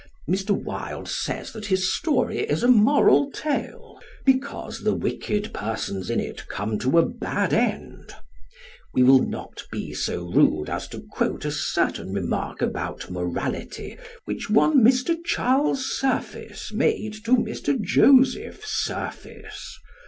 Mr. Wilde says that his story is a moral tale, because the wicked persons in it come to a bad end. We will not be so rude as to quote a certain remark about morality which one Mr. Charles Surface made to Mr. Joseph Surface.